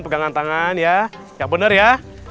pegangan tangan ya yang bener ya